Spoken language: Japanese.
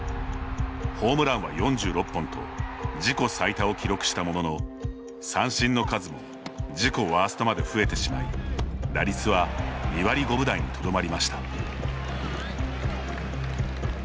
ホームランは４６本と自己最多を記録したものの三振の数も自己ワーストまで増えてしまい打率は２割５分台にとどまりました。